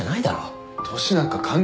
年なんか関係ない。